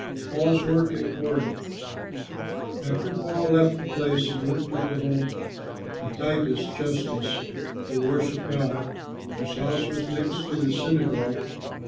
PAUL'S WORK AT CORINTH And Paul left the place and went to the home of Titius Justus, who worshipped God, whose house was next to the synagogue.